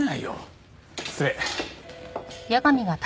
失礼。